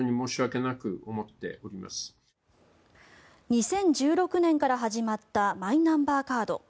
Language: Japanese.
２０１６年から始まったマイナンバーカード。